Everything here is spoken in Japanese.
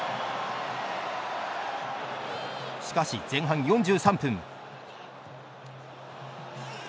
しかし、前半４３分。